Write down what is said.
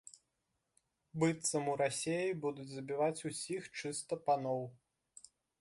Быццам у Расеі будуць забіваць усіх чыста паноў.